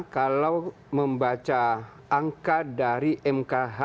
kalau membaca angka dari mkh